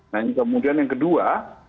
nah ini kemudian yang kedua